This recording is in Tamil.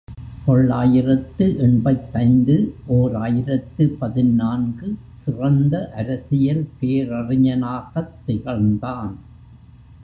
தொள்ளாயிரத்து எண்பத்தைந்து ஓர் ஆயிரத்து பதினான்கு சிறந்த அரசியல் பேரறிஞனாகத் திகழ்ந்தான்.